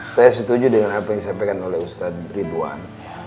saya setuju dengan apa yang disampaikan oleh ustadz ridwan